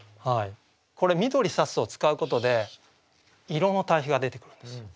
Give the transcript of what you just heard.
これ「緑さす」を使うことで色の対比が出てくるんですよ。